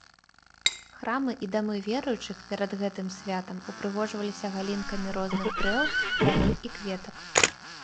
Храмы і дамы веруючых перад гэтым святам упрыгожваліся галінкамі розных дрэў, травы і кветак.